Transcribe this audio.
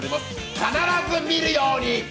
必ず見るように！